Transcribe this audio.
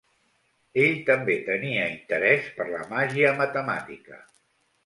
Ell també tenia interès per la màgia matemàtica.